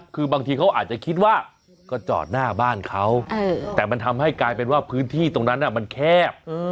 คือบางทีเขาอาจจะคิดว่าก็จอดหน้าบ้านเขาแต่มันทำให้กลายเป็นว่าพื้นที่ตรงนั้นมันแคบ